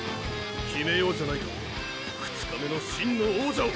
決めようじゃないか２日目の真の王者を！